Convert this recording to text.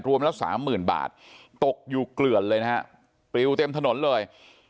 รวมละ๓๐๐๐๐บาทตกอยู่เกลือลเลยนะครับปริวเต็มถนนเลย